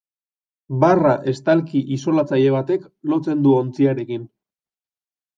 Barra estalki isolatzaile batek lotzen du ontziarekin.